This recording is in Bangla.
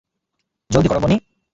জলদি করো, বনি!